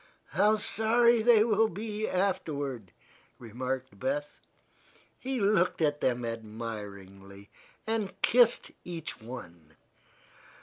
"How sorry they will be, afterward," remarked Beth. He looked at them admiringly, and kissed each one.